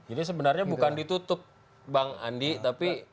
jadi sebenarnya bukan ditutup bang andi tapi